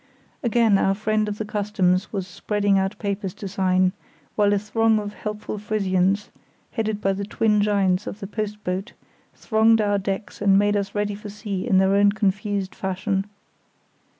Again our friend of the Customs was spreading out papers to sign, while a throng of helpful Frisians, headed by the twin giants of the post boat, thronged our decks and made us ready for sea in their own confused fashion.